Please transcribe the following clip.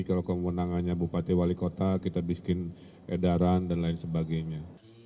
kalau kewenangannya bupati wali kota kita bikin edaran dan lain sebagainya